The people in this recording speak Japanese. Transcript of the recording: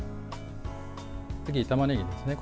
次、たまねぎですね。